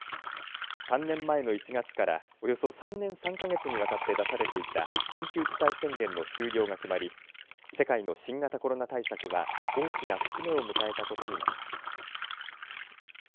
３年前の１月からおよそ３年３か月にわたって出されていた緊急事態宣言の終了が決まり世界の新型コロナ対策は大きな節目を迎えたことになります。